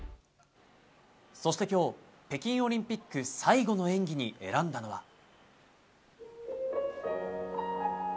そして今日、北京オリンピック最後の演技に選んだのは。